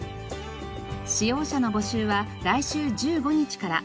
使用者の募集は来週１５日から。